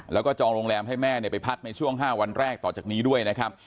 แล้วก็จองโรงแรมให้แม่ไปพักในช่วง๕วันแรกต่อจากนี้ด้วยนะครับ